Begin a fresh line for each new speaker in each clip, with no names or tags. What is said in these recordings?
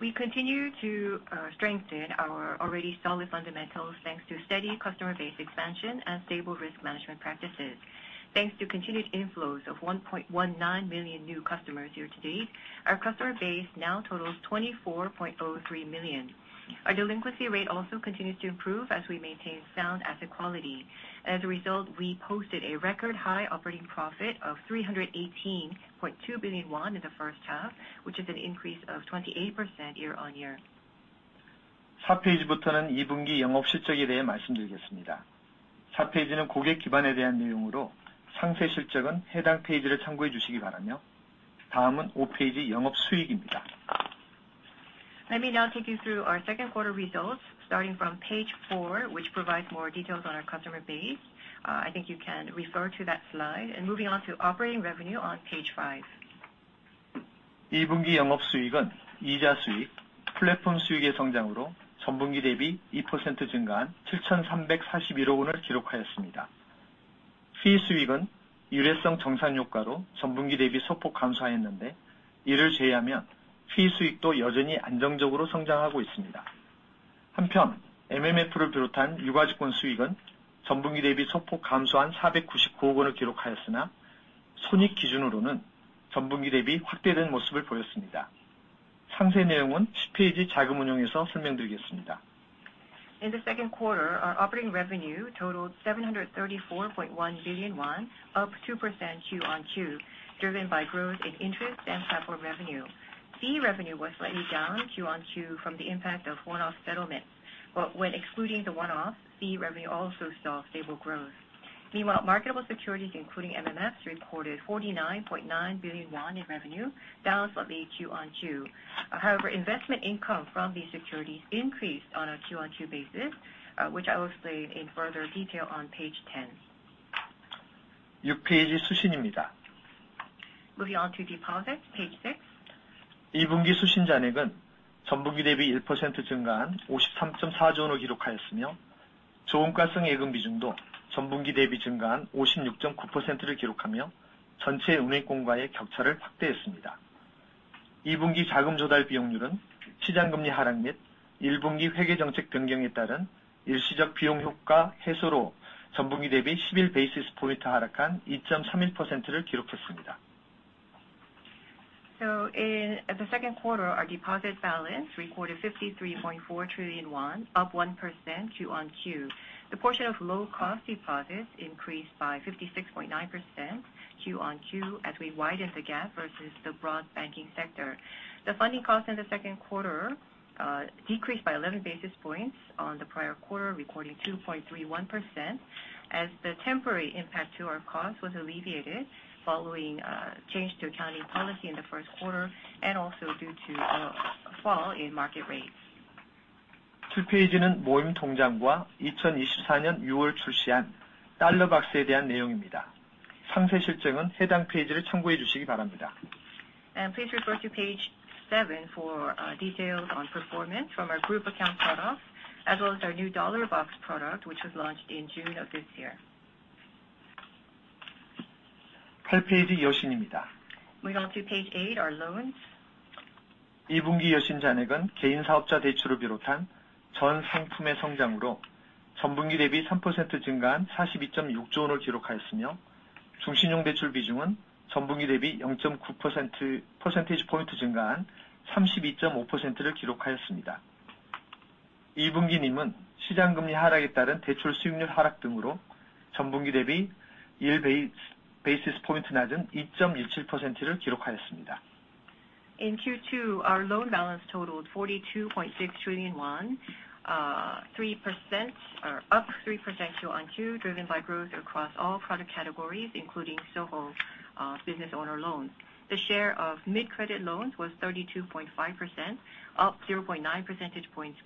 We continue to strengthen our already solid fundamentals, thanks to steady customer base expansion and stable risk management practices. Thanks to continued inflows of 1.19 million new customers year-to-date, our customer base now totals 24.03 million. Our delinquency rate also continues to improve as we maintain sound asset quality. As a result, we posted a record high operating profit of 318.2 billion won in the first half, which is an increase of 28% year-on-year. Let me now take you through our second quarter results, starting from page 4, which provides more details on our customer base. I think you can refer to that slide. And moving on to operating revenue on page 5. In the second quarter, our operating revenue totaled KRW 734.1 billion, up 2% Q-on-Q, driven by growth in interest and platform revenue. Fee revenue was slightly down Q-on-Q from the impact of one-off settlement. But when excluding the one-off, fee revenue also saw stable growth. Meanwhile, marketable securities, including MMF, reported 49.9 billion won in revenue, down slightly Q-on-Q. However, investment income from these securities increased on a Q-on-Q basis, which I will state in further detail on page ten. Moving on to deposits, page six. So in the second quarter, our deposit balance recorded 53.4 trillion won, up 1% Q-on-Q. The portion of low cost deposits increased by 56.9% Q-on-Q, as we widened the gap versus the broad banking sector. The funding cost in the second quarter decreased by 11 basis points on the prior quarter, recording 2.31%, as the temporary impact to our cost was alleviated following change to accounting policy in the first quarter and also due to a fall in market rates. Please refer to page 7 for details on performance from our group account products, as well as our new Dollar Box product, which was launched in June of this year. Moving on to page 8, our loans. In Q2, our loan balance totaled 42.6 trillion won, 3%, or up 3% quarter-on-quarter, driven by growth across all product categories, including SOHO business owner loans. The share of mid-credit loans was 32.5%, up 0.9 percentage points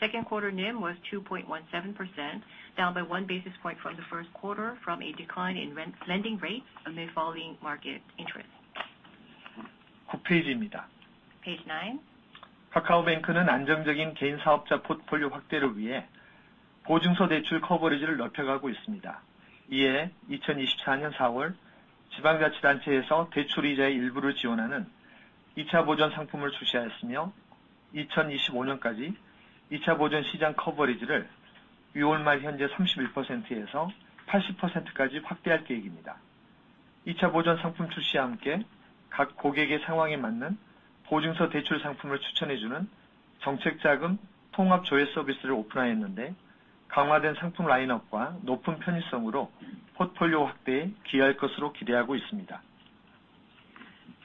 Q-on-Q. Second quarter NIM was 2.17%, down by 1 basis point from the first quarter, from a decline in lending rates amid falling market interest. Page nine.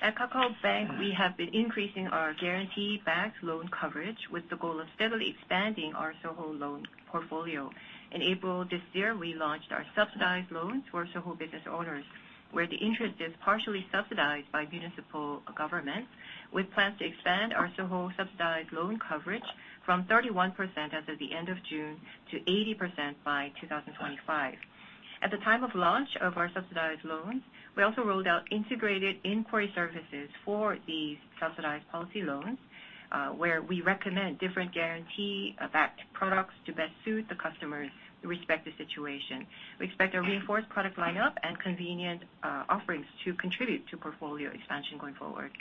At KakaoBank, we have been increasing our guarantee backed loan coverage with the goal of steadily expanding our SOHO loan portfolio. In April this year, we launched our subsidized loans for our SOHO business owners, where the interest is partially subsidized by municipal government. We plan to expand our SOHO subsidized loan coverage from 31% as of the end of June, to 80% by 2025. At the time of launch of our subsidized loans, we also rolled out integrated inquiry services for these subsidized policy loans, where we recommend different guarantee-backed products to best suit the customer's respective situation. We expect a reinforced product line up and convenient offerings to contribute to portfolio expansion going forward....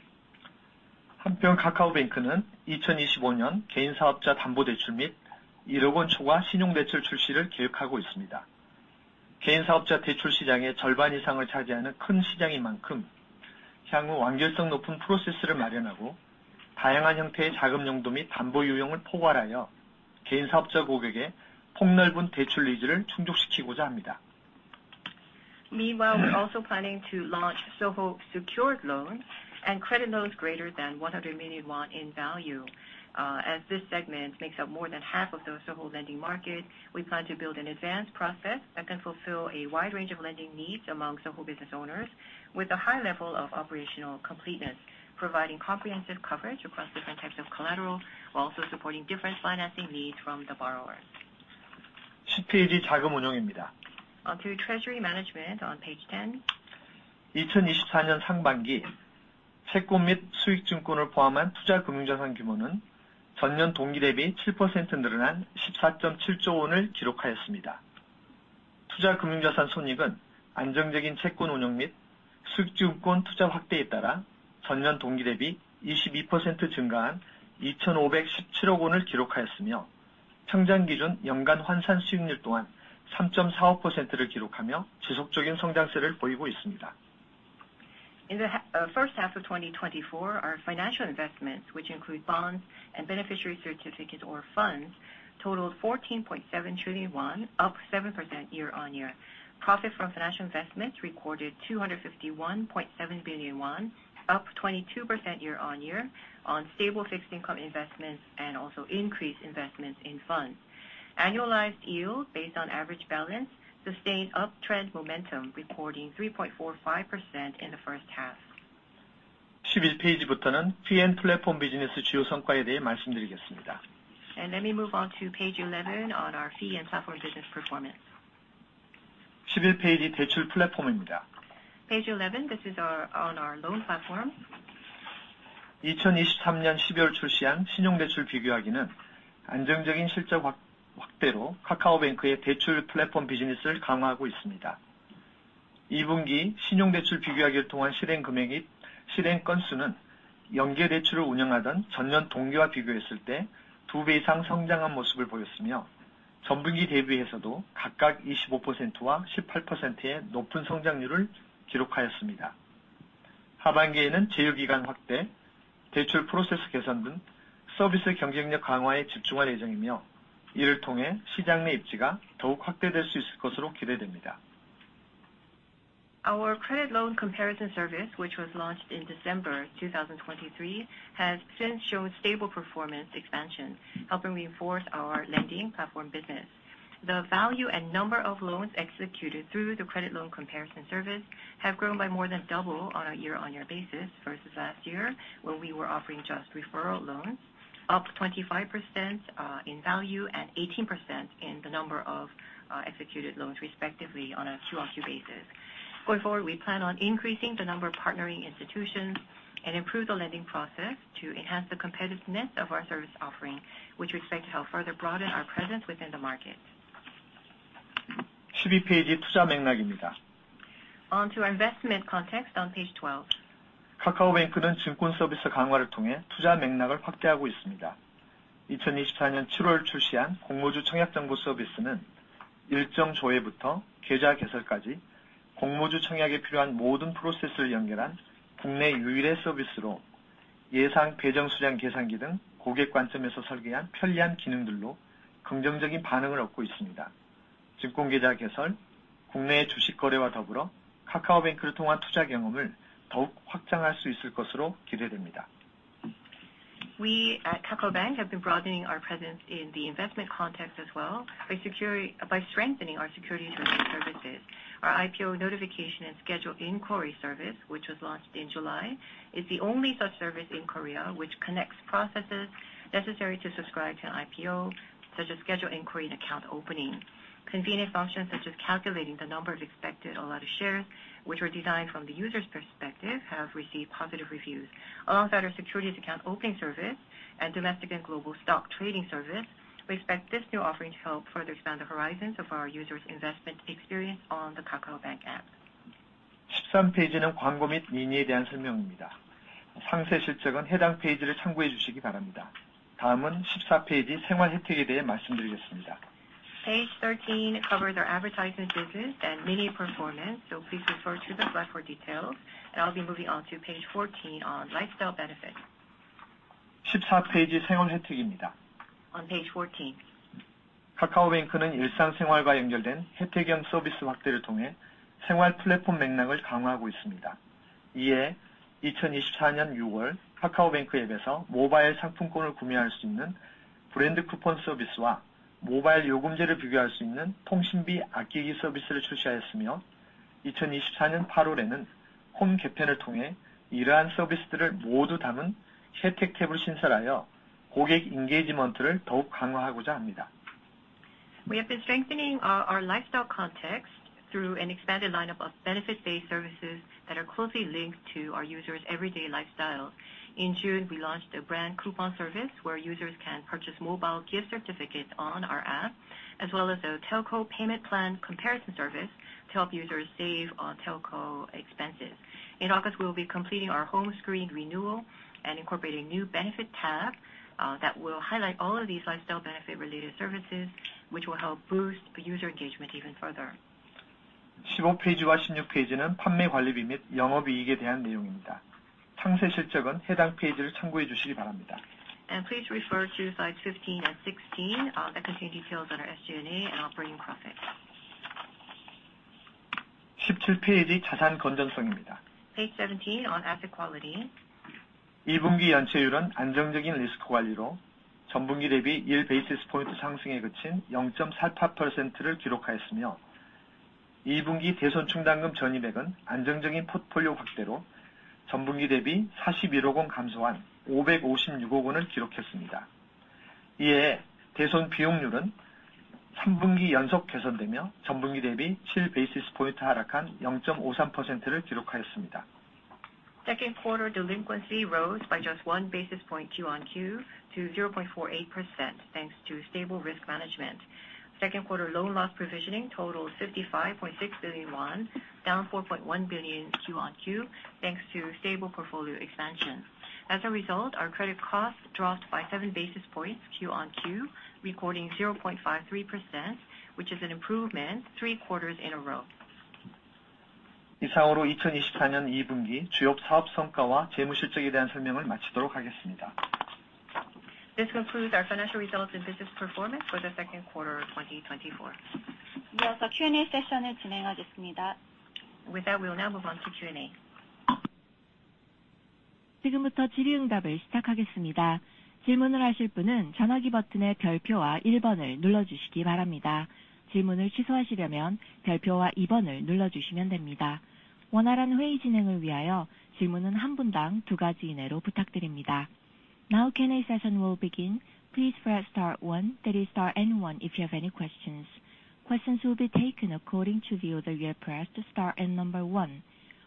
한편, 카카오뱅크는 2025년 개인사업자 담보대출 및 1억 원 초과 신용대출 출시를 계획하고 있습니다. 개인사업자 대출 시장의 절반 이상을 차지하는 큰 시장인 만큼, 향후 완결성 높은 프로세스를 마련하고, 다양한 형태의 자금 용도 및 담보 요건을 포괄하여 개인사업자 고객의 폭넓은 대출 니즈를 충족시키고자 합니다.
Meanwhile, we're also planning to launch SOHO secured loans and credit loans greater than 100 million won in value. As this segment makes up more than half of the SOHO lending market, we plan to build an advanced process that can fulfill a wide range of lending needs among SOHO business owners with a high level of operational completeness, providing comprehensive coverage across different types of collateral, while also supporting different financing needs from the borrowers.
10 페이지, 자금운용입니다.
On to treasury management on page 10.
2024년 상반기 채권 및 수익증권을 포함한 투자금융자산 규모는 전년 동기 대비 7% 늘어난 14.7조 원을 기록하였습니다. 투자금융자산 손익은 안정적인 채권운용 및 수익증권 투자 확대에 따라 전년 동기 대비 22% 증가한 2,057억 원을 기록하였으며, 평잔기준 연간 환산 수익률 또한 3.45%를 기록하며 지속적인 성장세를 보이고 있습니다.
In the first half of 2024, our financial investments, which include bonds and beneficiary certificates or funds, totaled 14.7 trillion won, up 7% year-on-year. Profit from financial investments recorded 251.7 billion won, up 22% year-on-year on stable fixed income investments and also increased investments in funds. Annualized yield based on average balance, sustained uptrend momentum, recording 3.45% in the first half.
11 페이지부터는 피앤 플랫폼 비즈니스 주요 성과에 대해 말씀드리겠습니다.
Let me move on to page 11 on our fee and platform business performance.
11 페이지, 대출 플랫폼입니다.
Page 11, this is our, on our loan platform.
2023년 12월 출시한 신용대출 비교하기는 안정적인 실적 확대으로 카카오뱅크의 대출 플랫폼 비즈니스를 강화하고 있습니다. 이 분기 신용대출 비교하기를 통한 실행 금액 및 실행 건수는 연계 대출을 운영하던 전년 동기와 비교했을 때두배 이상 성장한 모습을 보였으며, 전 분기 대비해서도 각각 20%와 18%의 높은 성장률을 기록하였습니다. 하반기에는 제휴 기간 확대, 대출 프로세스 개선 등 서비스 경쟁력 강화에 집중할 예정이며, 이를 통해 시장 내 입지가 더욱 확대될 수 있을 것으로 기대됩니다.
Our credit loan comparison service, which was launched in December 2023, has since shown stable performance expansion, helping reinforce our lending platform business. The value and number of loans executed through the credit loan comparison service have grown by more than double on a year-on-year basis versus last year, where we were offering just referral loans, up 25%, in value and 18% in the number of executed loans, respectively, on a QOQ basis. Going forward, we plan on increasing the number of partnering institutions and improve the lending process to enhance the competitiveness of our service offering, which we expect to help further broaden our presence within the market.
Page 12, investment context.
On to our investment context on page 12.
Processes necessary for IPO subscription from schedule inquiry to account opening and is the only such service in Korea, receiving positive responses with convenient functions designed from the customer perspective, such as the expected allocation quantity calculator. In addition to securities account opening, domestic and foreign stock trading, the investment experience through KakaoBank is expected to be further expanded.
We at KakaoBank have been broadening our presence in the investment context as well by securities, by strengthening our securities and services. Our IPO notification and schedule inquiry service, which was launched in July, is the only such service in Korea, which connects processes necessary to subscribe to an IPO, such as schedule inquiry and account opening. Convenient functions, such as calculating the number of expected allotted shares, which were designed from the user's perspective, have received positive reviews. Alongside our securities account opening service and domestic and global stock trading service, we expect this new offering to help further expand the horizons of our users' investment experience on the KakaoBank app.
13 페이지는 광고 및 미니에 대한 설명입니다. 상세 실적은 해당 페이지를 참고해 주시기 바랍니다. 다음은 14 페이지, 생활 혜택에 대해 말씀드리겠습니다.
Page 13 covers our advertisement business and mini performance, so please refer to the slide for details, and I'll be moving on to page 14 on lifestyle benefits.
14 페이지, 생활혜택입니다.
On page 14.
카카오뱅크는 일상생활과 연결된 혜택형 서비스 확대를 통해 생활 플랫폼 맥락을 강화하고 있습니다. 이에 2024년 6월, 카카오뱅크 앱에서 모바일 상품권을 구매할 수 있는 브랜드 쿠폰 서비스와 모바일 요금제를 비교할 수 있는 통신비 아끼기 서비스를 출시하였으며, 2024년 8월에는 홈 개편을 통해 이러한 서비스들을 모두 담은 혜택 탭을 신설하여 고객 인게이지먼트를 더욱 강화하고자 합니다.
We have been strengthening our lifestyle context through an expanded lineup of benefit-based services that are closely linked to our users' everyday lifestyle. In June, we launched a brand coupon service where users can purchase mobile gift certificates on our app... as well as the telco payment plan comparison service to help users save on telco expenses. In August, we will be completing our home screen renewal and incorporating new benefit tab that will highlight all of these lifestyle benefit related services, which will help boost user engagement even further. Please refer to slides 15 and 16 that contain details on our SG&A and operating profit. Page 17 on asset quality. Second quarter delinquency rose by just 1 basis point Q-on-Q to 0.48%, thanks to stable risk management. Second quarter loan loss provisioning totaled KRW 55.6 billion, down KRW 4.1 billion Q-on-Q, thanks to stable portfolio expansion. As a result, our credit costs dropped by seven basis points Q-on-Q, recording 0.53%, which is an improvement three quarters in a row. This concludes our financial results and business performance for the second quarter of 2024.
We also Q&A session is.
With that, we will now move on to Q&A.Now Q&A session will begin. Please press star one, that is star and one, if you have any questions. Questions will be taken according to the order you pressed star and number one.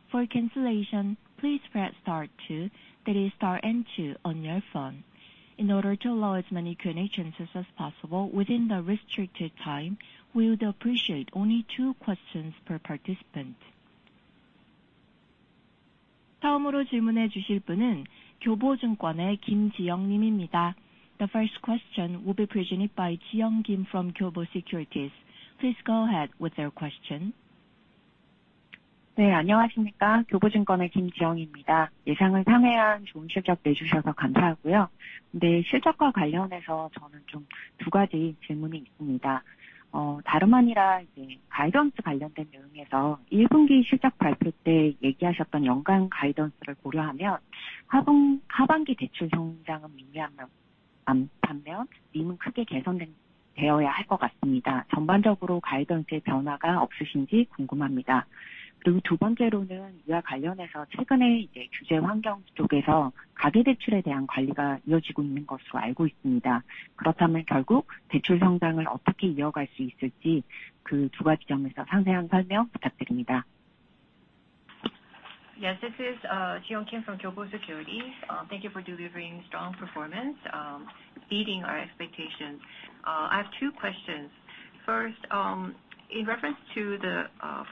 For cancellation, please press star two, that is star and two on your phone. In order to allow as many Q&A chances as possible within the restricted time, we would appreciate only two questions per participant. The first question will be presented by Ji-young Kim from Kyobo Securities. Please go ahead with your question.
네, 안녕하십니까? 교보증권의 김지영입니다. 예상을 상회한 좋은 실적 내주셔서 감사하고요. 네, 실적과 관련해서 저는 좀두 가지 질문이 있습니다. 다름 아니라 이제 가이던스 관련된 내용에서 일 분기 실적 발표 때 얘기하셨던 연간 가이던스를 고려하면, 하반기 대출 성장은 미미하면, 않다면 NIM은 크게 개선된, 되어야 할것 같습니다. 전반적으로 가이던스에 변화가 없으신지 궁금합니다. 그리고 두 번째로는 이와 관련해서 최근에 이제 규제 환경 속에서 가계 대출에 대한 관리가 이어지고 있는 것으로 알고 있습니다. 그렇다면 결국 대출 성장을 어떻게 이어갈 수 있을지, 그두 가지 점에서 상세한 설명 부탁드립니다.
Yes, this is Ji-young Kim from Kyobo Securities. Thank you for delivering strong performance, beating our expectations. I have two questions. First, in reference to the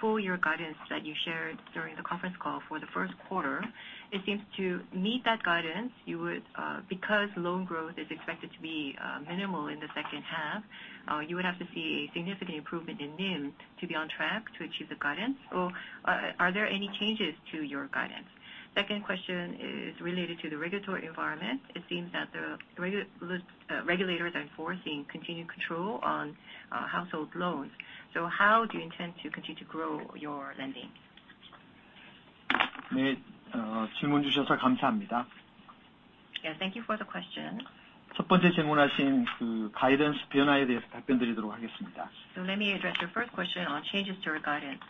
full year guidance that you shared during the conference call for the first quarter, it seems to meet that guidance, you would, because loan growth is expected to be minimal in the second half, you would have to see a significant improvement in NIM to be on track to achieve the guidance. Or are there any changes to your guidance? Second question is related to the regulatory environment. It seems that the regulators are enforcing continued control on household loans. So how do you intend to continue to grow your lending?
네, 질문 주셔서 감사합니다.
Yeah, thank you for the question.
첫 번째 질문하신, 그, 가이던스 변화에 대해서 답변드리도록 하겠습니다.
Let me address your first question on changes to our guidance.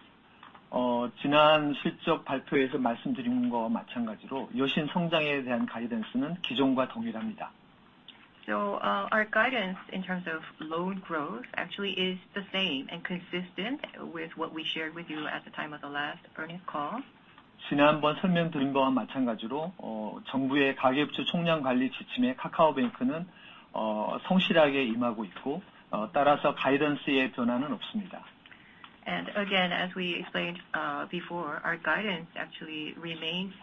지난 실적 발표에서 말씀드린 것과 마찬가지로 여신 성장에 대한 가이던스는 기존과 동일합니다.
Our guidance in terms of loan growth actually is the same and consistent with what we shared with you at the time of the last earnings call.
지난번 설명드린 것과 마찬가지로, 정부의 가계부채 총량 관리 지침에 카카오뱅크는, 성실하게 임하고 있고, 따라서 가이던스의 변화는 없습니다.
And again, as we explained before, our guidance actually remains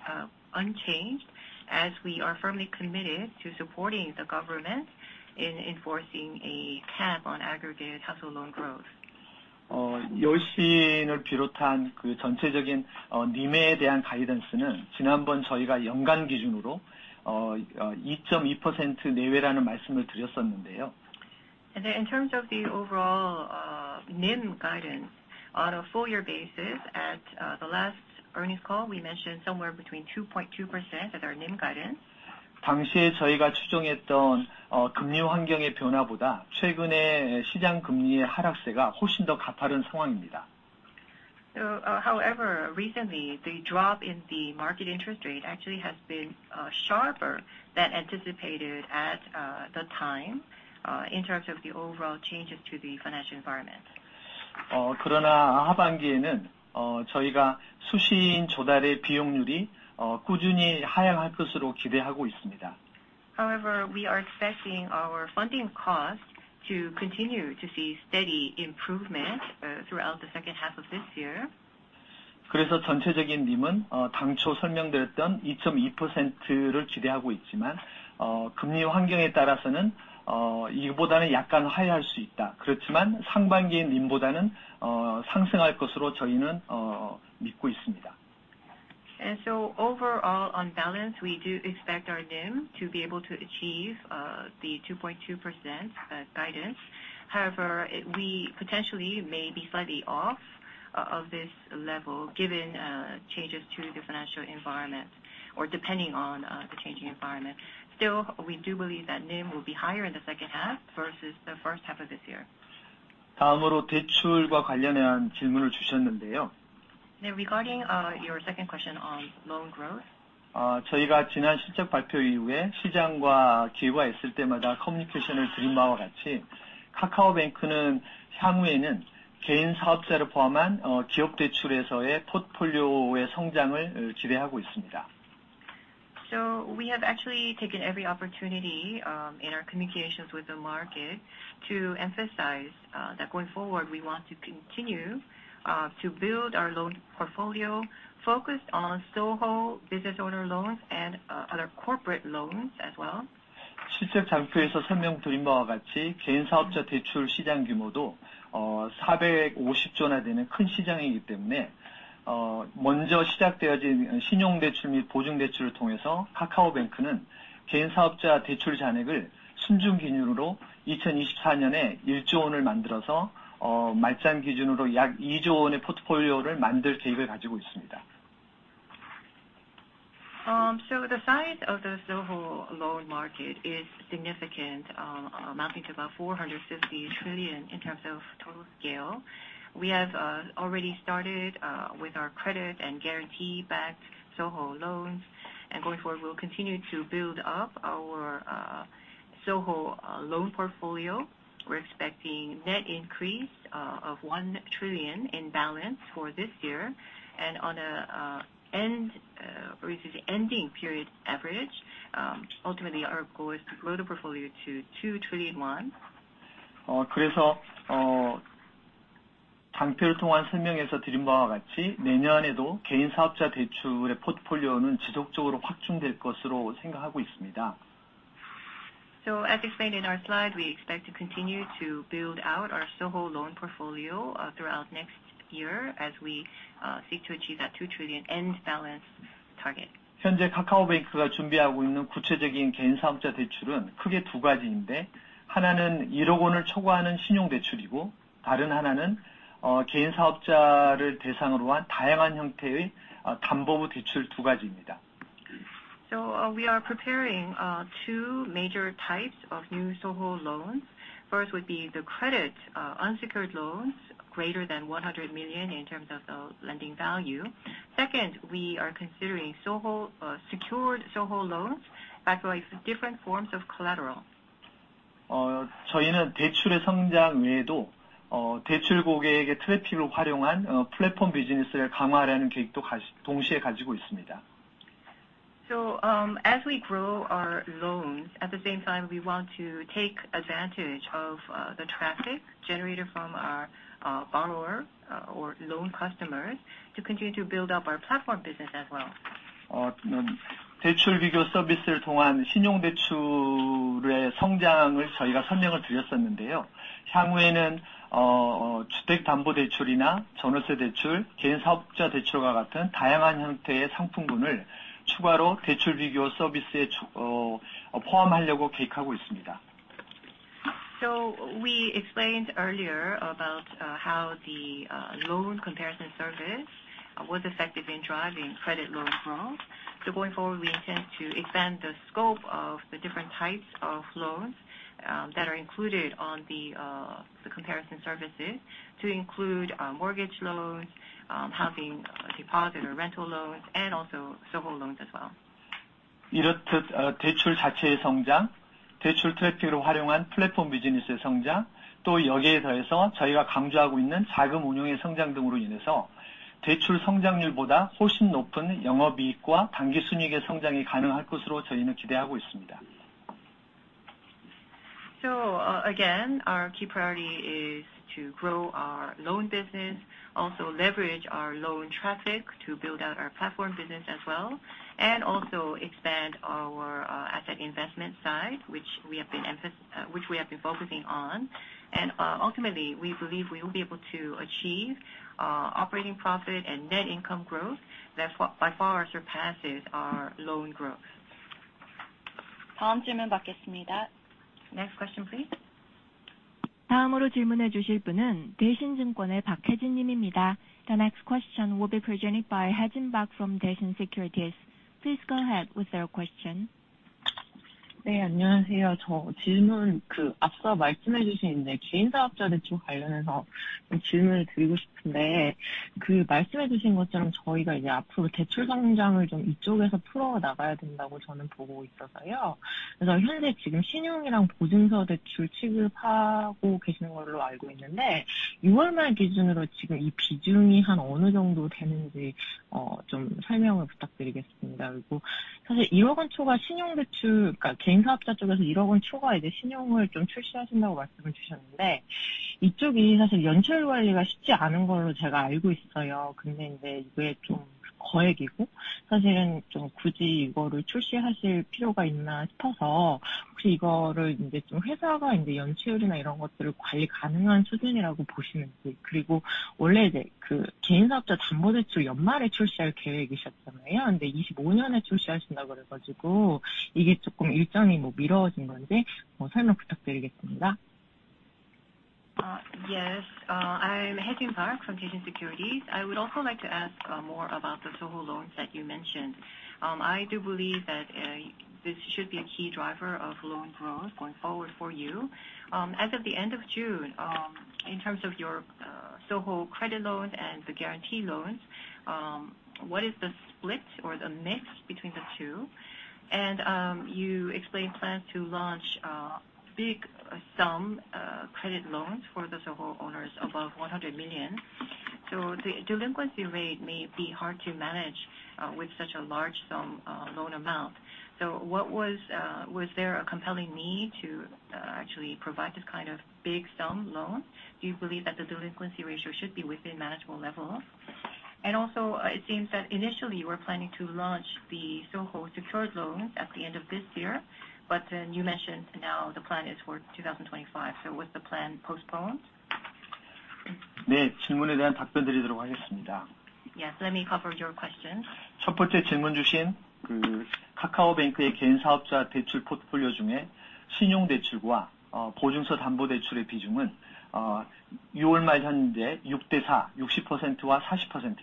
unchanged, as we are firmly committed to supporting the government in enforcing a cap on aggregated household loan growth.
여신을 비롯한 그 전체적인, NIM에 대한 가이던스는 지난번 저희가 연간 기준으로, 2.2% 내외라는 말씀을 드렸었는데요.
And then in terms of the overall NIM guidance on a full year basis at the last earnings call, we mentioned somewhere between 2.2% as our NIM guidance.
당시에 저희가 추정했던, 금리 환경의 변화보다 최근의 시장 금리의 하락세가 훨씬 더 가파른 상황입니다.
However, recently, the drop in the market interest rate actually has been sharper than anticipated at the time, in terms of the overall changes to the financial environment....
그러나 하반기에는, 저희가 수신인 조달의 비용률이, 꾸준히 하향할 것으로 기대하고 있습니다.
However, we are expecting our funding cost to continue to see steady improvement throughout the second half of this year.
그래서 전체적인 NIM은, 당초 설명드렸던 2.2%를 기대하고 있지만, 금리 환경에 따라서는, 이거보다는 약간 하회할 수 있다. 그렇지만 상반기 NIM보다는, 상승할 것으로 저희는, 믿고 있습니다.
And so overall, on balance, we do expect our NIM to be able to achieve the 2.2% guidance. However, we potentially may be slightly off of this level given changes to the financial environment or depending on the changing environment. Still, we do believe that NIM will be higher in the second half versus the first half of this year.
다음으로 대출과 관련한 질문을 주셨는데요.
Now, regarding your second question on loan growth.
저희가 지난 실적 발표 이후에 시장과 기회가 있을 때마다 커뮤니케이션을 드린 바와 같이, 카카오뱅크는 향후에는 개인 사업자를 포함한, 지역 대출에서의 포트폴리오의 성장을 지배하고 있습니다.
So we have actually taken every opportunity in our communications with the market to emphasize that going forward, we want to continue to build our loan portfolio, focused on SOHO business owner loans and other corporate loans as well.
실적 장표에서 설명드린 바와 같이 개인사업자 대출 시장 규모도, KRW 450조나 되는 큰 시장이기 때문에, 먼저 시작된 신용대출 및 보증대출을 통해서 카카오뱅크는 개인사업자 대출 잔액을 순증 기준으로 2024년에 1조 원을 만들어서, 말잔 기준으로 약 2조 원의 포트폴리오를 만들 계획을 가지고 있습니다.
So the size of the SOHO loan market is significant, amounting to about 450 trillion in terms of total scale. We have already started with our credit and guarantee backed SOHO loans, and going forward, we'll continue to build up our SOHO loan portfolio. We're expecting net increase of 1 trillion in balance for this year. And on a ending period average, ultimately, our goal is to grow the portfolio to 2 trillion won.
그래서, 장표를 통한 설명에서 드린 바와 같이, 내년에도 개인사업자 대출의 포트폴리오는 지속적으로 확충될 것으로 생각하고 있습니다.
As explained in our slide, we expect to continue to build out our SOHO loan portfolio throughout next year as we seek to achieve that 2 trillion end balance target.
현재 카카오뱅크가 준비하고 있는 구체적인 개인사업자 대출은 크게 두 가지인데, 하나는 1억 원을 초과하는 신용대출이고, 다른 하나는, 개인사업자를 대상으로 한 다양한 형태의 담보부 대출 두 가지입니다.
We are preparing two major types of new SOHO loans. First would be the credit, unsecured loans greater than 100 million in terms of the lending value. Second, we are considering SOHO, secured SOHO loans backed by different forms of collateral.
저희는 대출의 성장 외에도, 대출 고객의 트래픽을 활용한, 플랫폼 비즈니스를 강화하려는 계획도 가시- 동시에 가지고 있습니다.
So, as we grow our loans, at the same time, we want to take advantage of the traffic generated from our borrower or loan customers to continue to build up our platform business as well.
대출 비교 서비스를 통한 신용대출의 성장을 저희가 설명을 드렸었는데요. 향후에는, 주택담보대출이나 전월세대출, 개인사업자대출과 같은 다양한 형태의 상품군을 추가로 대출비교 서비스에 포함하려고 계획하고 있습니다.
So we explained earlier about how the loan comparison service was effective in driving credit loans growth. So going forward, we intend to expand the scope of the different types of loans that are included on the comparison services to include mortgage loans, housing deposit or rental loans, and also SOHO loans as well.
이렇듯, 대출 자체의 성장, 대출 트래픽을 활용한 플랫폼 비즈니스의 성장, 또 여기에 더해서 저희가 강조하고 있는 자금 운용의 성장 등으로 인해서 대출 성장률보다 훨씬 높은 영업이익과 당기순이익의 성장이 가능할 것으로 저희는 기대하고 있습니다.
So, again, our key priority is to grow our loan business, also leverage our loan traffic to build out our platform business as well, and also expand our asset investment side, which we have been focusing on. Ultimately, we believe we will be able to achieve operating profit and net income growth that far, by far surpasses our loan growth.
다음 질문 받겠습니다.
Next question, please.
is Hye-jin Park from Daishin Securities.
The next question will be presented by Hye-jin Park from Daishin Securities. Please go ahead with your question.
네, 안녕하세요. 저 질문, 그, 앞서 말씀해 주셨는데 개인사업자 대출 관련해서 질문을 드리고 싶은데, 그 말씀해 주신 것처럼 저희가 이제 앞으로 대출 성장을 좀 이쪽에서 풀어나가야 된다고 저는 보고 있어서요. 그래서 현재 지금 신용이랑 보증서 대출 취급하고 계시는 걸로 알고 있는데, 6월 말 기준으로 지금 이 비중이 대략 어느 정도 되는지, 좀 설명을 부탁드리겠습니다. 그리고 사실 1억 원 초과 신용대출, 그러니까 개인사업자 쪽에서 1억 원 초과 이제 신용을 좀 출시하신다고 말씀을 주셨는데, 이쪽이 사실 연체율 관리가 쉽지 않은 걸로 제가 알고 있어요. 근데 이제 이게 좀 거액이고, 사실은 좀 굳이 이거를 출시하실 필요가 있나 싶어서, 혹시 이거를 이제 좀 회사가 이제 연체율이나 이런 것들을 관리 가능한 수준이라고 보시는지? 그리고 원래 이제 그 개인사업자 담보대출 연말에 출시할 계획이셨잖아요, 근데 2025년에 출시하신다고 그래가지고, 이게 조금 일정이 뭐 미뤄진 건지, 설명 부탁드리겠습니다.
Yes, I'm Hye-jin Park from Daishin Securities. I would also like to ask more about the SOHO loans that you mentioned. I do believe that this should be a key driver of loan growth going forward for you. As of the end of June, in terms of your SOHO credit loans and the guarantee loans, what is the split or the mix between the two? And you explained plans to launch big sum credit loans for the SOHO owners above 100 million. So the delinquency rate may be hard to manage with such a large sum loan amount. So, was there a compelling need to actually provide this kind of big sum loan? Do you believe that the delinquency ratio should be within manageable levels? Also, it seems that initially you were planning to launch the SOHO secured loans at the end of this year, but you mentioned now the plan is for 2025. So was the plan postponed?
네, 질문에 대한 답변 드리도록 하겠습니다.
Yes, let me cover your question.
in KakaoBank's individual business loan portfolio, the proportion of credit loans and guaranteed collateral loans is, as of the end of June, 60:40, 60% and 40%.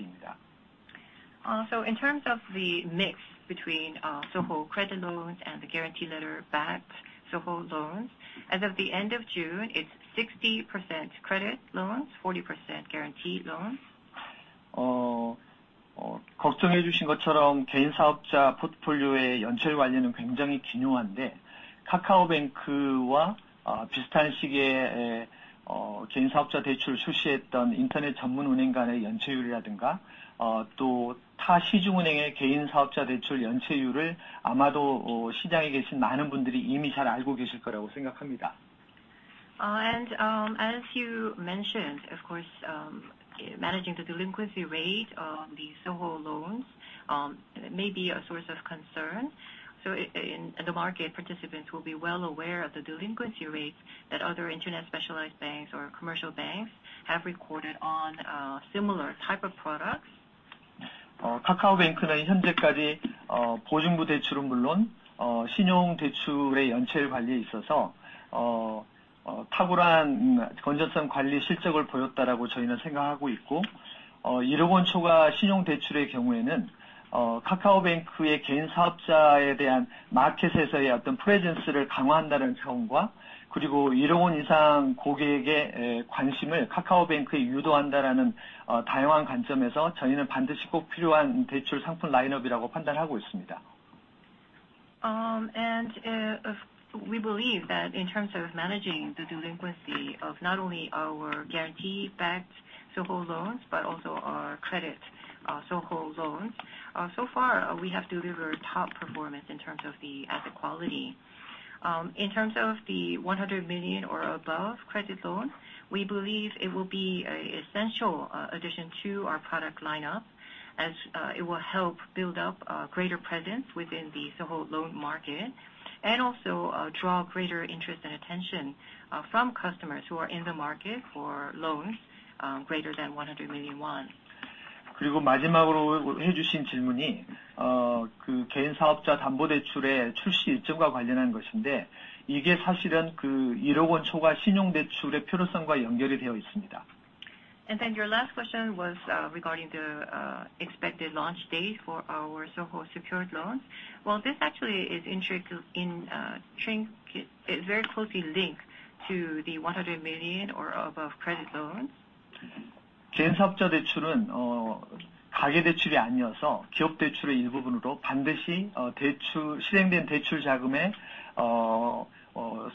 In terms of the mix between SOHO credit loans and the guarantee-backed SOHO loans, as of the end of June, it's 60% credit loans, 40% guarantee loans.
걱정해 주신 것처럼 개인사업자 포트폴리오의 연체율 관리는 굉장히 긴요한데, 카카오뱅크와 비슷한 시기에 개인사업자 대출을 출시했던 인터넷 전문 은행 간의 연체율이라든가, 또타 시중은행의 개인사업자 대출 연체율을 아마도 시장에 계신 많은 분들이 이미 잘 알고 계실 거라고 생각합니다.
As you mentioned, of course, managing the delinquency rate on the SOHO loans may be a source of concern. In the market, participants will be well aware of the delinquency rates that other internet specialized banks or commercial banks have recorded on similar type of products.
카카오뱅크는 현재까지, 보증부 대출은 물론, 신용대출의 연체율 관리에 있어서, 탁월한 건전성 관리 실적을 보였다라고 저희는 생각하고 있고, 100,000,000 KRW 초과 신용대출의 경우에는, 카카오뱅크의 개인사업자에 대한 마켓에서의 어떤 presence를 강화한다는 점과, 그리고 100,000,000 KRW 이상 고객의 관심을 카카오뱅크에 유도한다라는, 다양한 관점에서 저희는 반드시 꼭 필요한 대출 상품 라인업이라고 판단하고 있습니다.
We believe that in terms of managing the delinquency of not only our guarantee-backed SOHO loans, but also our credit SOHO loans, so far, we have delivered top performance in terms of the asset quality. In terms of the 100 million or above credit loans, we believe it will be a essential addition to our product lineup, as it will help build up a greater presence within the SOHO loan market, and also draw greater interest and attention from customers who are in the market for loans greater than 100 million won.
마지막으로 해주신 질문이, 그 개인사업자 담보대출의 출시 일정과 관련한 것인데, 이게 사실은 그 1억 원 초과 신용대출의 필요성과 연결이 되어 있습니다.
Then your last question was regarding the expected launch date for our SOHO secured loans. Well, this actually is integrated in it very closely linked to the 100 million or above credit loans.
개인사업자 대출은, 가계대출이 아니어서 기업 대출의 일부분으로 반드시, 대출, 실행된 대출 자금에,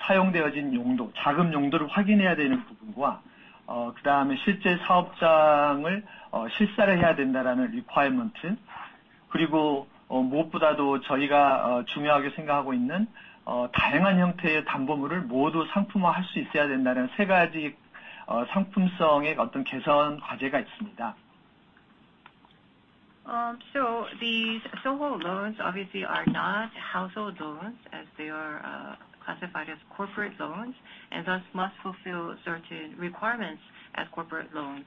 사용되어진 용도, 자금 용도를 확인해야 되는 부분과, 그다음에 실제 사업장을, 실사를 해야 된다라는 requirement, 그리고, 무엇보다도 저희가, 중요하게 생각하고 있는, 다양한 형태의 담보물을 모두 상품화할 수 있어야 된다는 세 가지, 상품성의 어떤 개선 과제가 있습니다.
So these SOHO loans obviously are not household loans, as they are classified as corporate loans, and thus must fulfill certain requirements as corporate loans.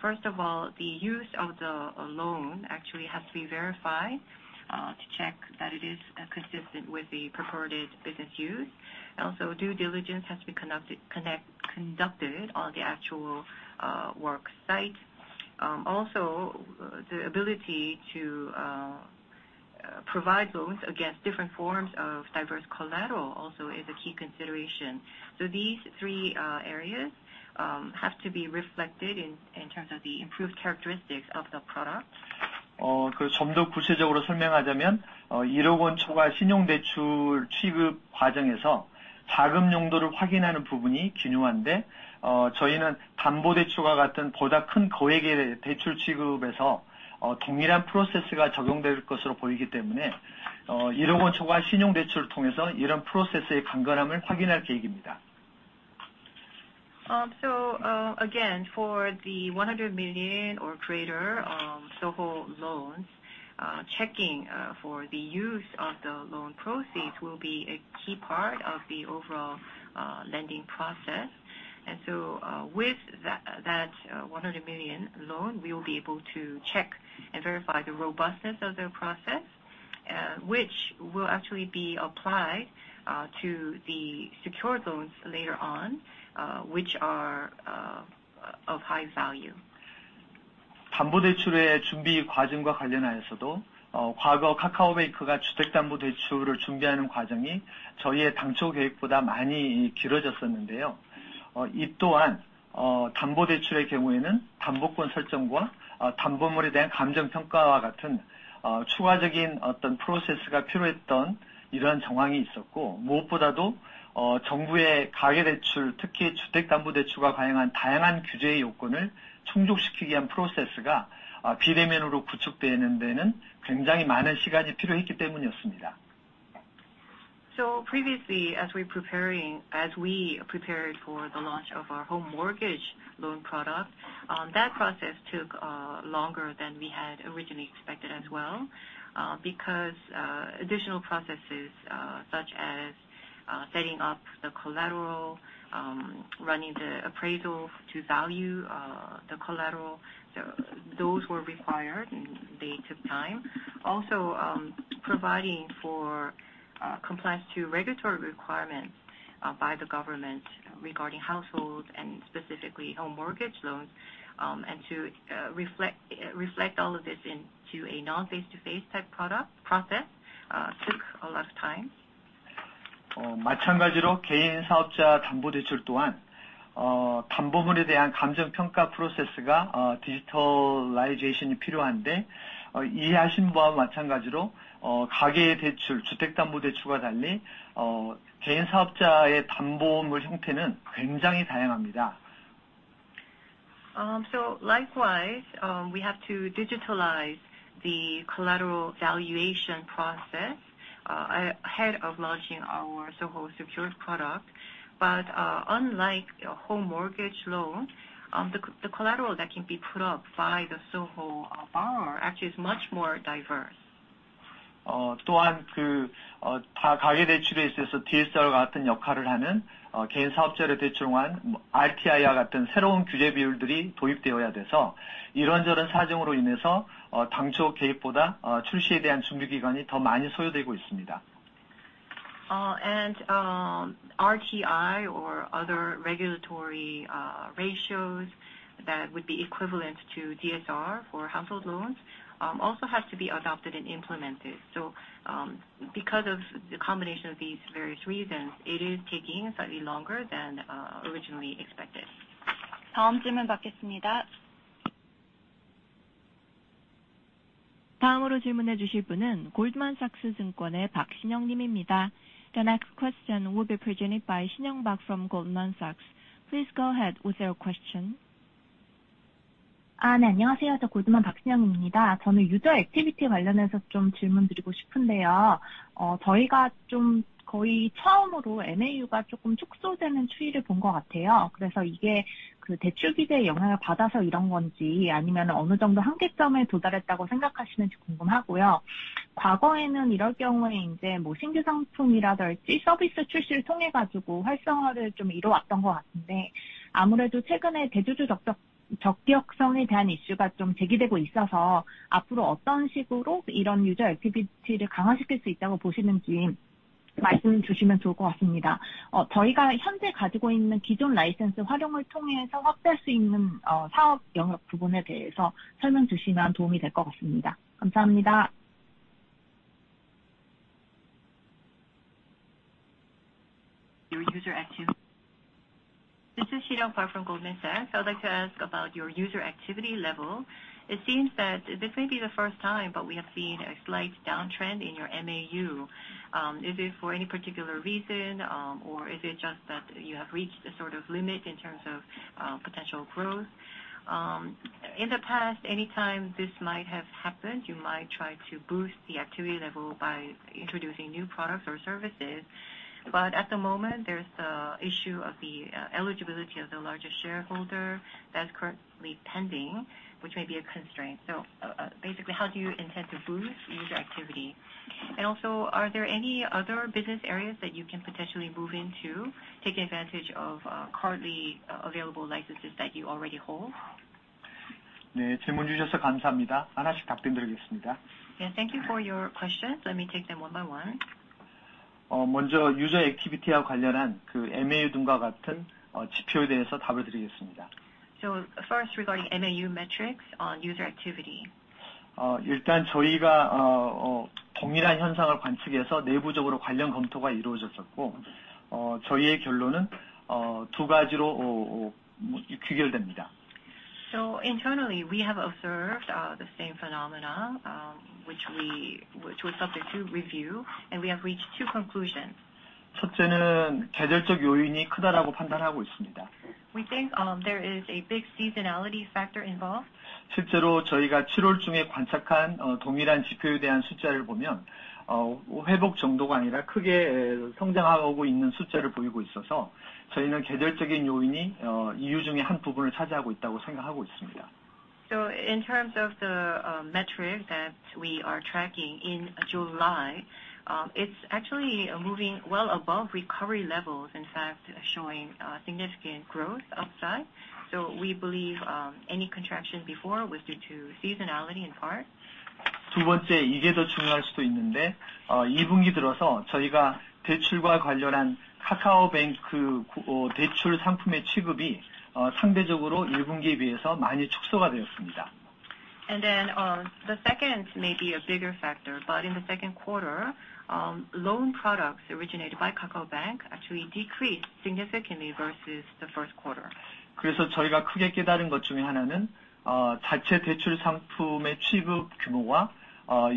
First of all, the use of the loan actually has to be verified to check that it is consistent with the purported business use. Also due diligence has to be conducted on the actual work site. Also, the ability to provide loans against different forms of diverse collateral also is a key consideration. So these three areas have to be reflected in terms of the improved characteristics of the product. Uh, So, again, for the 100 million or greater SOHO loans, checking for the use of the loan proceeds will be a key part of the overall lending process. And so, with that 100 million loan, we will be able to check and verify the robustness of the process, which will actually be applied to the secured loans later on, which are of high value. So previously, as we prepared for the launch of our home mortgage loan product, that process took longer than we had originally expected as well, because additional processes such as setting up the collateral, running the appraisal to value the collateral, so those were required, and they took time. Also, providing for compliance to regulatory requirements by the government regarding households and specifically home mortgage loans, and to reflect all of this into a non-face-to-face type product process took a lot of time. Likewise, we have to digitalize the collateral valuation process ahead of launching our SOHO secured product. Unlike a home mortgage loan, the collateral that can be put up by the SOHO borrower actually is much more diverse. RTI or other regulatory ratios that would be equivalent to DSR for household loans also has to be adopted and implemented. Because of the combination of these various reasons, it is taking slightly longer than originally expected.
The next question will be presented by Sinyoung Park from Goldman Sachs. Please go ahead with your question.
Goldman Sachs Sinyoung Park입니다. 저는 user activity 관련해서 좀 질문 드리고 싶은데요. 저희가 좀 거의 처음으로 MAU가 조금 축소되는 추이를 본것 같아요. 그래서 이게 그 대출 비대 영향을 받아서 이런 건지, 아니면 어느 정도 한계점에 도달했다고 생각하시는지 궁금하고요. 과거에는 이럴 경우에 이제 뭐 신규 상품이라든지, 서비스 출시를 통해 가지고 활성화를 좀 이루어왔던 것 같은데, 아무래도 최근에 대주주 적격, 적격성에 대한 이슈가 좀 제기되고 있어서 앞으로 어떤 식으로 이런 user activity를 강화시킬 수 있다고 보시는지 말씀해 주시면 좋을 것 같습니다. 저희가 현재 가지고 있는 기존 license 활용을 통해서 확대할 수 있는, 사업 영역 부분에 대해서 설명 주시면 도움이 될것 같습니다. 감사합니다.
This is Sinyoung Park from Goldman Sachs. I'd like to ask about your user activity level. It seems that this may be the first time, but we have seen a slight downtrend in your MAU. Is it for any particular reason, or is it just that you have reached a sort of limit in terms of potential growth? In the past, anytime this might have happened, you might try to boost the activity level by introducing new products or services. But at the moment, there's the issue of the eligibility of the largest shareholder that's currently pending, which may be a constraint. So, basically, how do you intend to boost user activity? And also, are there any other business areas that you can potentially move into, taking advantage of currently available licenses that you already hold? Yeah, thank you for your questions. Let me take them one by one.
...먼저 user activity와 관련한 그 MAU 등과 같은, 지표에 대해서 답을 드리겠습니다.
First, regarding MAU metrics on user activity.
일단 저희가, 동일한 현상을 관측해서 내부적으로 관련 검토가 이루어졌었고, 저희의 결론은, 두 가지로 귀결됩니다.
Internally, we have observed the same phenomena, which was subject to review, and we have reached two conclusions.
첫째는 계절적 요인이 크다라고 판단하고 있습니다.
We think, there is a big seasonality factor involved.
실제로 저희가 칠월 중에 관측한, 동일한 지표에 대한 숫자를 보면, 회복 정도가 아니라 크게, 성장하고 있는 숫자를 보이고 있어서 저희는 계절적인 요인이, 이유 중에 한 부분을 차지하고 있다고 생각하고 있습니다.
So in terms of the metric that we are tracking in July, it's actually moving well above recovery levels, in fact, showing significant growth upside. So we believe any contraction before was due to seasonality in part.
두 번째, 이게 더 중요할 수도 있는데, 이 분기 들어서 저희가 대출과 관련한 카카오뱅크, 대출 상품의 취급이, 상대적으로 일 분기에 비해서 많이 축소가 되었습니다.
The second may be a bigger factor, but in the second quarter, loan products originated by KakaoBank actually decreased significantly versus the first quarter.
그래서 저희가 크게 깨달은 것 중에 하나는, 자체 대출 상품의 취급 규모와,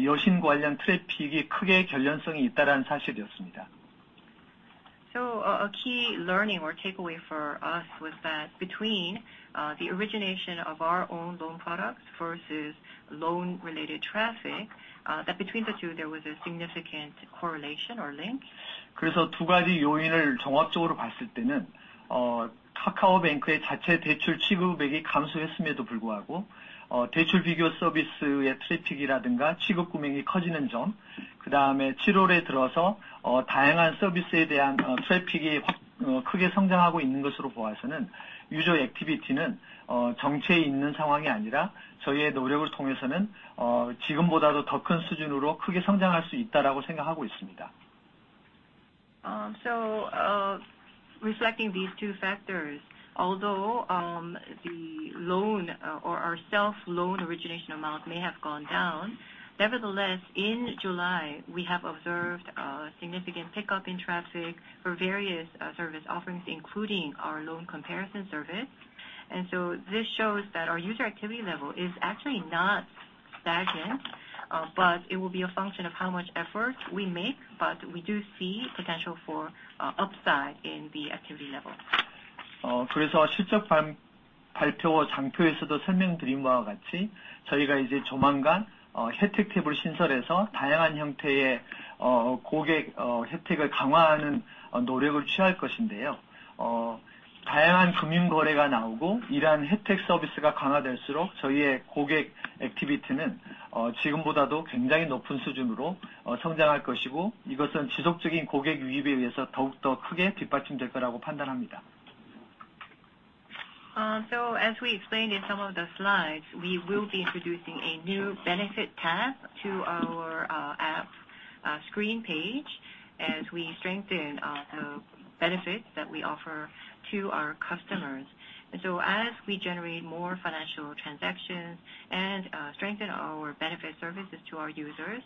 여신 관련 트래픽이 크게 연관성이 있다라는 사실이었습니다.
So, a key learning or takeaway for us was that between the origination of our own loan products versus loan-related traffic, that between the two, there was a significant correlation or link.
그래서 두 가지 요인을 종합적으로 봤을 때는, 카카오뱅크의 자체 대출 취급액이 감소했음에도 불구하고, 대출 비교 서비스의 트래픽이라든가 취급 금액이 커지는 점, 그다음에 칠월에 들어서, 다양한 서비스에 대한 트래픽이 크게 성장하고 있는 것으로 봐서는 유저 액티비티는 정체에 있는 상황이 아니라 저희의 노력을 통해서는 지금보다도 더큰 수준으로 크게 성장할 수 있다라고 생각하고 있습니다.
So, reflecting these two factors, although the loan, or our self-loan origination amount may have gone down, nevertheless, in July, we have observed a significant pickup in traffic for various service offerings, including our loan comparison service. And so this shows that our user activity level is actually not stagnant, but it will be a function of how much effort we make, but we do see potential for upside in the activity level.
그래서 실적 발표 장표에서도 설명드린 바와 같이, 저희가 이제 조만간, 혜택 탭을 신설해서 다양한 형태의, 고객 혜택을 강화하는, 노력을 취할 것인데요. 다양한 금융 거래가 나오고 이러한 혜택 서비스가 강화될수록 저희의 고객 액티비티는, 지금보다도 굉장히 높은 수준으로, 성장할 것이고, 이것은 지속적인 고객 유입에 의해서 더욱더 크게 뒷받침될 거라고 판단합니다.
So as we explained in some of the slides, we will be introducing a new benefit tab to our app screen page as we strengthen the benefits that we offer to our customers. As we generate more financial transactions and strengthen our benefit services to our users,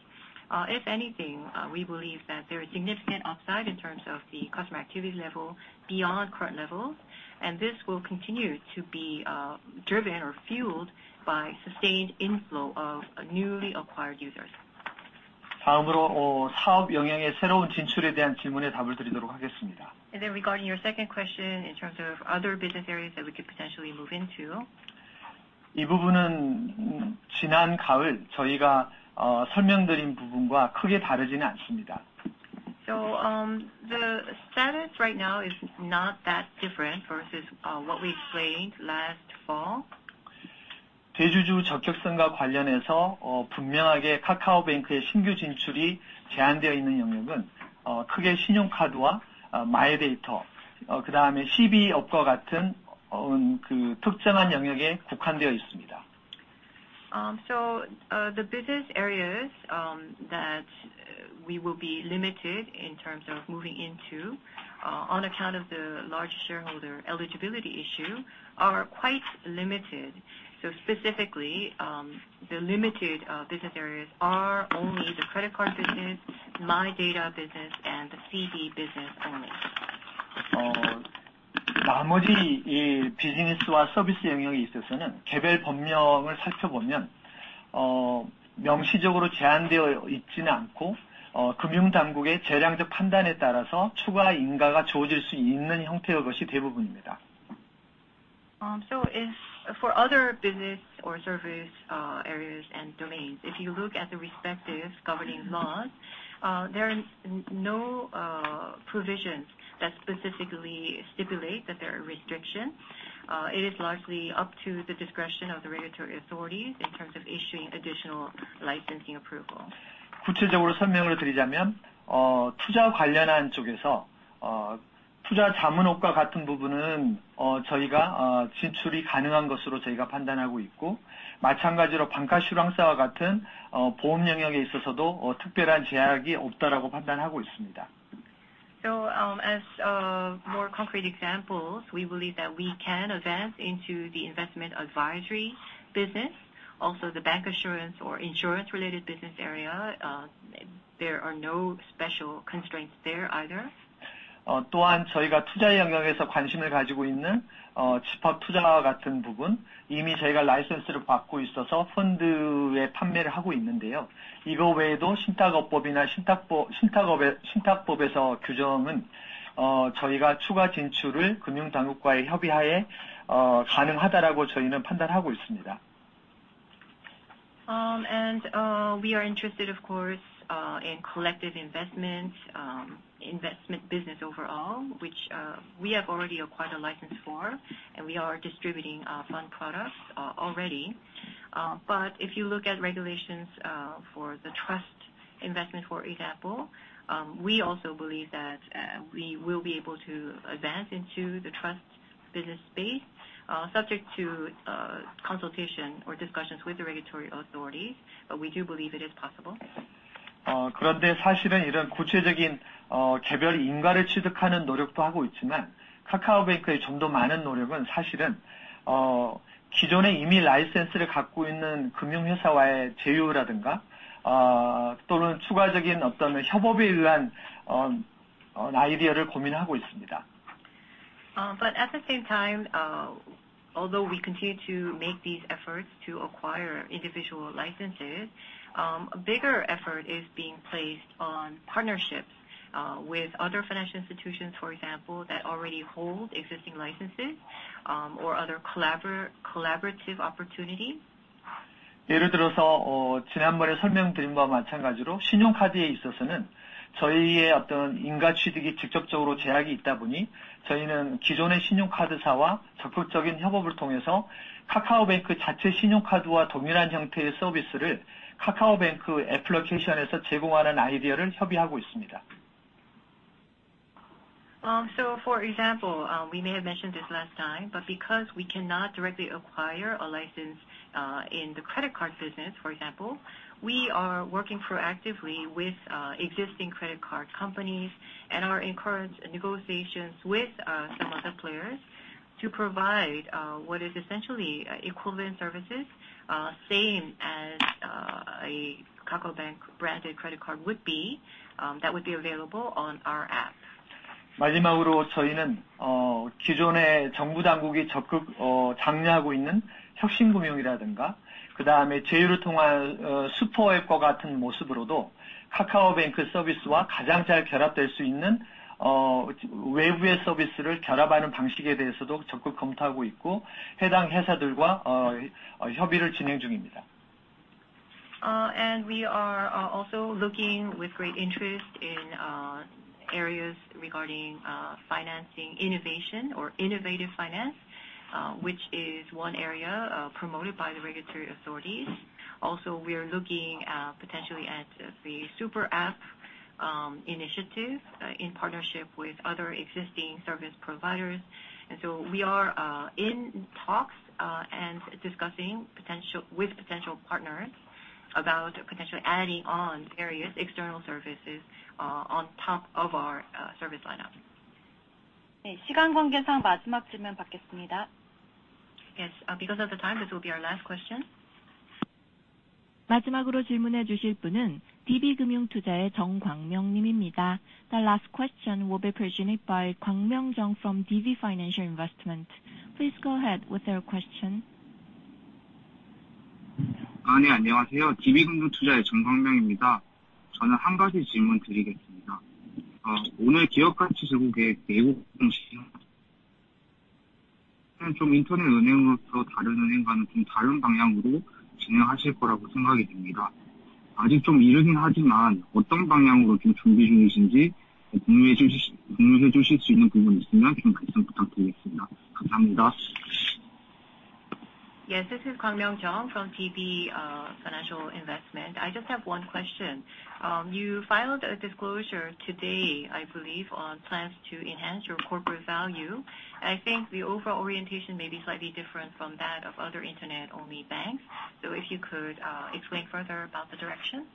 if anything, we believe that there is significant upside in terms of the customer activity level beyond current levels, and this will continue to be driven or fueled by sustained inflow of newly acquired users.
다음으로, 사업 영역의 새로운 진출에 대한 질문에 답을 드리도록 하겠습니다.
Regarding your second question, in terms of other business areas that we could potentially move into.
이 부분은 지난 가을 저희가, 설명드린 부분과 크게 다르지는 않습니다.
The status right now is not that different versus what we explained last fall.
대주주 적격성과 관련해서, 분명하게 카카오뱅크의 신규 진출이 제한되어 있는 영역은, 크게 신용카드와, 마이데이터, 그다음에 CB 업과 같은, 그 특정한 영역에 국한되어 있습니다.
So, the business areas that we will be limited in terms of moving into, on account of the large shareholder eligibility issue are quite limited. So specifically, the limited business areas are only the credit card business, MyData business, and the CB business only.
나머지, 이, 비즈니스와 서비스 영역에 있어서는 개별 법령을 살펴보면, 명시적으로 제한되어 있지는 않고, 금융당국의 재량적 판단에 따라서 추가 인가가 주어질 수 있는 형태의 것이 대부분입니다.
So if for other business or service, areas and domains, if you look at the respective governing laws, there are no provisions that specifically stipulate that there are restrictions. It is largely up to the discretion of the regulatory authorities in terms of issuing additional licensing approval.
구체적으로 설명을 드리자면, 투자와 관련한 쪽에서, 투자 자문업과 같은 부분은, 저희가, 진출이 가능한 것으로 저희가 판단하고 있고, 마찬가지로 방카슈랑스와 같은, 보험 영역에 있어서도, 특별한 제약이 없다라고 판단하고 있습니다.
So, as more concrete examples, we believe that we can advance into the investment advisory business, also the bank assurance or insurance related business area. There are no special constraints there either.
또한 저희가 투자 영역에서 관심을 가지고 있는, 집합 투자와 같은 부분, 이미 저희가 라이센스를 받고 있어서 펀드의 판매를 하고 있는데요. 이거 외에도 신탁업법이나 신탁법, 신탁업, 신탁법에서 규정은, 저희가 추가 진출을 금융당국과의 협의 하에, 가능하다라고 저희는 판단하고 있습니다.
We are interested, of course, in collective investment, investment business overall, which we have already acquired a license for, and we are distributing fund products already. But if you look at regulations for the trust investment, for example, we also believe that we will be able to advance into the trust business space, subject to consultation or discussions with the regulatory authorities, but we do believe it is possible.
그런데 사실은 이런 구체적인, 개별 인가를 취득하는 노력도 하고 있지만, KakaoBank의 좀더 많은 노력은 사실은, 기존에 이미 라이센스를 갖고 있는 금융 회사와의 제휴라든가, 또는 추가적인 어떤 협업에 의한, 아이디어를 고민하고 있습니다.
But at the same time, although we continue to make these efforts to acquire individual licenses, a bigger effort is being placed on partnerships with other financial institutions, for example, that already hold existing licenses, or other collaborative opportunities.
예를 들어서, 지난번에 설명드린 바와 마찬가지로 신용카드에 있어서는 저희의 어떤 인가 취득이 직접적으로 제약이 있다 보니, 저희는 기존의 신용카드사와 적극적인 협업을 통해서 카카오뱅크 자체 신용카드와 동일한 형태의 서비스를 카카오뱅크 애플리케이션에서 제공하는 아이디어를 협의하고 있습니다.
So, for example, we may have mentioned this last time, but because we cannot directly acquire a license in the credit card business, for example, we are working proactively with existing credit card companies and are in current negotiations with some other players to provide what is essentially equivalent services, same as a Kakao Bank branded credit card would be, that would be available on our app.
마지막으로 저희는, 기존의 정부 당국이 적극, 장려하고 있는 혁신금융이라든가, 그다음에 제휴를 통한, 슈퍼 앱과 같은 모습으로도 카카오뱅크 서비스와 가장 잘 결합될 수 있는, 외부의 서비스를 결합하는 방식에 대해서도 적극 검토하고 있고, 해당 회사들과, 협의를 진행 중입니다.
We are also looking with great interest in areas regarding financing, innovation or innovative finance, which is one area promoted by the regulatory authorities. Also, we are looking potentially at the Super App initiative in partnership with other existing service providers. And so we are in talks and discussing potential... with potential partners about potentially adding on various external services on top of our service lineup.
네, 시간 관계상 마지막 질문 받겠습니다.
Yes, because of the time, this will be our last question.
Kwang Myung Chung from DB Financial Investment.
The last question will be presented by Kwang Myung Chung from DB Financial Investment. Please go ahead with your question.
아, 네, 안녕하세요. DB 금융투자의 정광명입니다. 저는 한 가지 질문드리겠습니다. 오늘 기업 가치 제고계획 예고 공시, 좀 인터넷 은행으로서 다른 은행과는 좀 다른 방향으로 진행하실 거라고 생각이 듭니다. 아직 좀 이르긴 하지만 어떤 방향으로 좀 준비 중이신지 공유해주실 수 있는 부분 있으면 좀 답변 부탁드리겠습니다. 감사합니다.
Yes, this is Kwang Myung Chung from DB Financial Investment. I just have one question. You filed a disclosure today, I believe, on plans to enhance your corporate value. I think the overall orientation may be slightly different from that of other internet-only banks. So if you could explain further about the direction?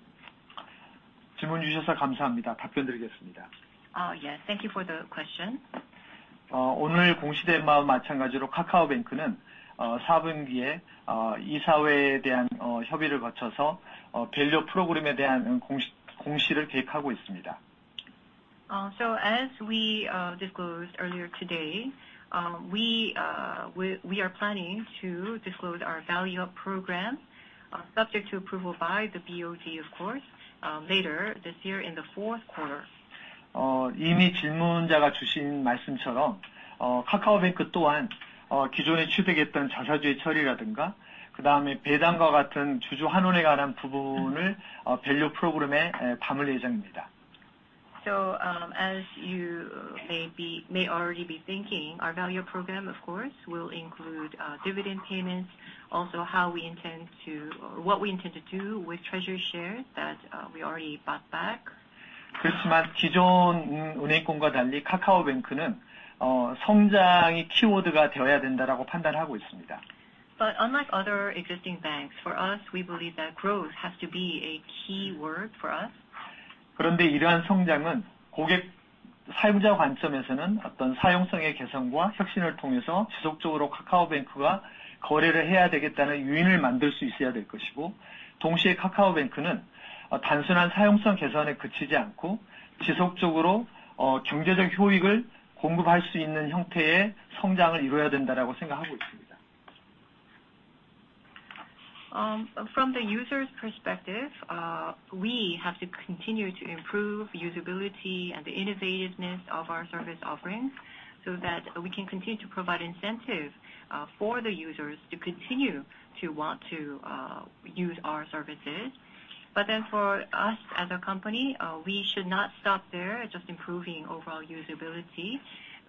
질문 주셔서 감사합니다. 답변드리겠습니다.
Yes, thank you for the question.
As disclosed today, KakaoBank is planning to disclose the Value-up program after consultations with the board of directors in the fourth quarter.
So as we disclosed earlier today, we are planning to disclose our Value-up program, subject to approval by the BOD, of course, later this year in the fourth quarter.
이미 질문자가 주신 말씀처럼, 카카오뱅크 또한, 기존에 취득했던 자사주 처리라든가, 그다음에 배당과 같은 주주 환원에 관한 부분을, Value-up 프로그램에 담을 예정입니다.
As you may already be thinking, our Value-up program, of course, will include dividend payments, also, what we intend to do with treasury shares that we already bought back....
그렇지만 기존 은행권과 달리 카카오뱅크는, 성장이 키워드가 되어야 된다라고 판단하고 있습니다.
Unlike other existing banks, for us, we believe that growth has to be a key word for us.
그런데 이러한 성장은 고객, 사용자 관점에서는 어떤 사용성의 개선과 혁신을 통해서 지속적으로 카카오뱅크가 거래를 해야 되겠다는 요인을 만들 수 있어야 될 것이고, 동시에 카카오뱅크는 단순한 사용성 개선에 그치지 않고, 지속적으로 경제적 효익을 공급할 수 있는 형태의 성장을 이뤄야 된다라고 생각하고 있습니다.
From the user's perspective, we have to continue to improve usability and the innovativeness of our service offerings, so that we can continue to provide incentive for the users to continue to want to use our services. But then for us as a company, we should not stop there, just improving overall usability,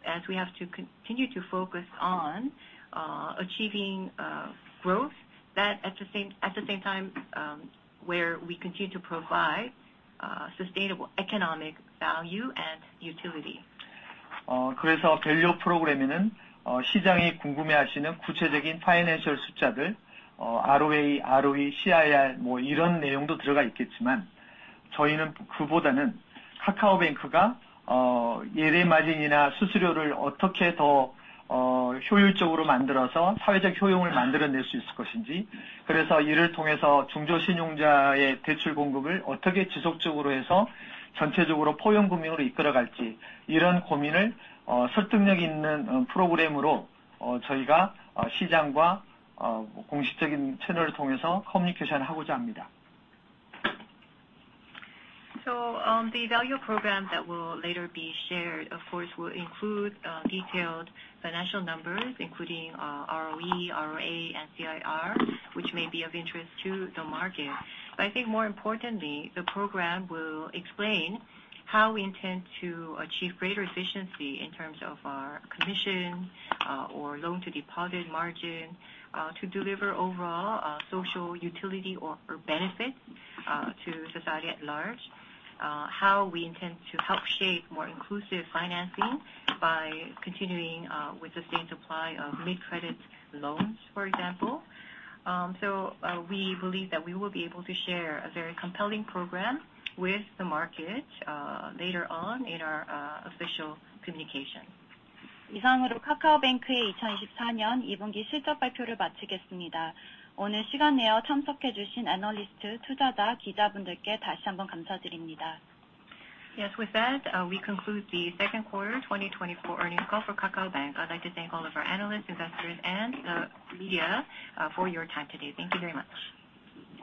as we have to continue to focus on achieving growth that at the same time, where we continue to provide sustainable economic value and utility.
그래서 Value-up 프로그램에는 시장이 궁금해하시는 구체적인 파이낸셜 숫자들, ROA, ROE, CIR, 뭐 이런 내용도 들어가 있겠지만, 저희는 그보다는 카카오뱅크가 예대마진이나 수수료를 어떻게 더 효율적으로 만들어서 사회적 효용을 만들어낼 수 있을 것인지, 그래서 이를 통해서 중저신용자의 대출 공급을 어떻게 지속적으로 해서 전체적으로 포용 금융으로 이끌어 갈지, 이런 고민을 설득력 있는 프로그램으로 저희가 시장과 공식적인 채널을 통해서 커뮤니케이션을 하고자 합니다.
So, the Value-up program that will later be shared, of course, will include detailed financial numbers, including ROE, ROA, and CIR, which may be of interest to the market. But I think more importantly, the program will explain how we intend to achieve greater efficiency in terms of our commission or loan-to-deposit margin to deliver overall social utility or, or benefit to society at large. How we intend to help shape more inclusive financing by continuing with sustained supply of mid-credit loans, for example. So, we believe that we will be able to share a very compelling program with the market later on in our official communication. Yes, with that, we conclude the second quarter 2024 earnings call for KakaoBank. I'd like to thank all of our analysts, investors and, media, for your time today. Thank you very much.